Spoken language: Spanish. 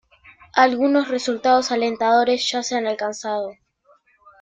Algunos resultados alentadores ya se han alcanzado.